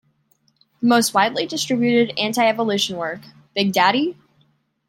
The most widely distributed antievolution work, Big Daddy?